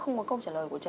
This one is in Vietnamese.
nó do chị với anh